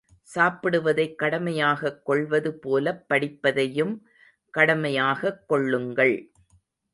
சாப்பிடுவதைக் கடமையாகக் கொள்வது போலப் படிப்பதையும் கடமையாகக் கொள்ளுங்கள்.